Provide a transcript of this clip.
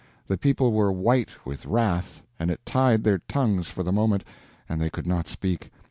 The people were white with wrath, and it tied their tongues for the moment, and they could not speak.